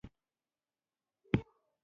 په هر ځای کې بلا له ګړنګن شخص څخه پورته کېږي.